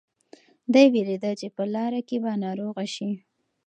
دی وېرېده چې په لاره کې به ناروغه شي.